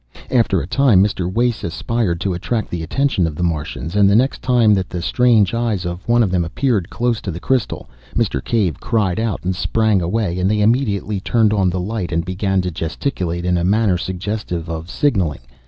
After a time Mr. Wace aspired to attract the attention of the Martians, and the next time that the strange eyes of one of them appeared close to the crystal Mr. Cave cried out and sprang away, and they immediately turned on the light and began to gesticulate in a manner suggestive of signalling.